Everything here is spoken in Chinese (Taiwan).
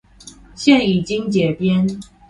現已經解編